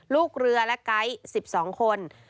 ลูกเรือและไก๊๑๒คน